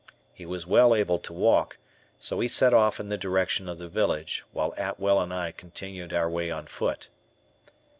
He was well able to walk, so he set off in the direction of the village, while Atwell and I continued our way on foot.